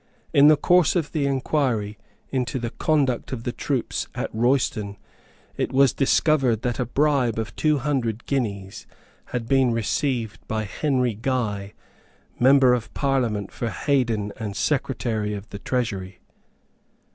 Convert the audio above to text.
In the course of the inquiry into the conduct of the troops at Royston, it was discovered that a bribe of two hundred guineas had been received by Henry Guy, member of Parliament for Heydon and Secretary of the Treasury.